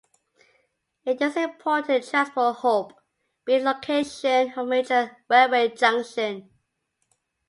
It is an important transport hub, being the location of a major railway junction.